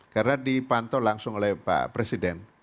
karena dipantau langsung oleh pak presiden